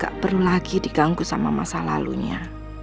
gak perlu lagi diganggu sama masa lalunya